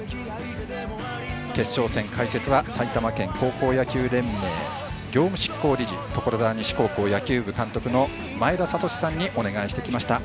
決勝戦、解説は埼玉県高校野球連盟業務執行理事所沢西高校野球部監督の前田聡さんにお願いしてきました。